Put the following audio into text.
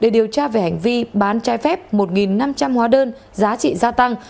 để điều tra về hành vi bán trái phép một năm trăm linh hóa đơn giá trị gia tăng